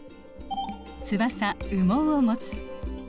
「翼・羽毛をもつ」。